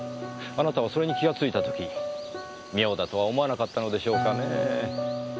あなたはそれに気がついた時妙だとは思わなかったのでしょうかねぇ。